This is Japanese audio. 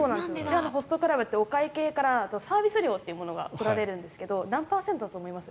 ホストクラブってお会計からサービス料というのが取られるんですが何パーセントだと思います？